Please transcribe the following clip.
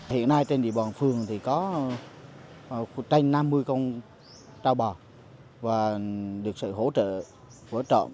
hiện nay trên địa bàn phường có trên năm mươi con trâu bò và được sự hỗ trợ